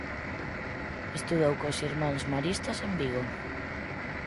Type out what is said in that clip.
Estudou cos Irmáns Maristas en Vigo.